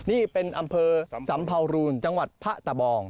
นี่เป็นอำเภอสัมภาวรูนจังหวัดพะตะบอง